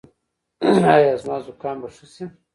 ایا زما زکام به ښه شي؟